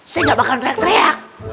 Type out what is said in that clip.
saya gak bakal teriak teriak